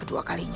aku akan menang